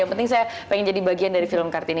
yang penting saya pengen jadi bagian dari film kartini